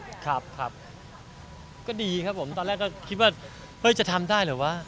ครับครับก็ดีครับผมตอนแรกก็คิดว่าเฮ้ยจะทำได้เหรอวะ